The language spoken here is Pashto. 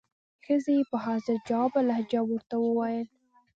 ښځې یې په حاضر جوابه لهجه ورته وویل.